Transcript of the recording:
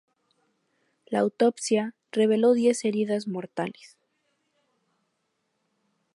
La autopsia reveló diez heridas mortales.